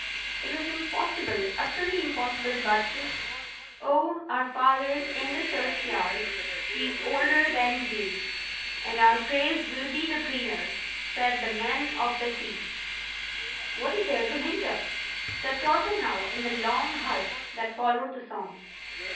It was impossible, utterly impossible, but— "'Oh, our fathers in the churchyard, She is older than ye, And our graves will be the greener,' Said The Men of the Sea." "What is there to hinder?" said Torpenhow, in the long hush that followed the song.